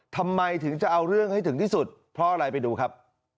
ทำไมถึงจะเอาเรื่องให้ถึงที่สุดเพราะอะไรไปดูครับ